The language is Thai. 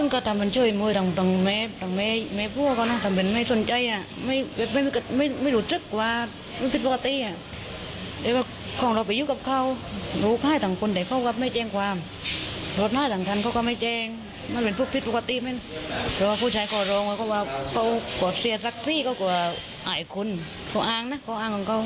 กว่าเสียทรักษีก็กว่าอายคุณเพราะอ้างนะเพราะอ้างของเขา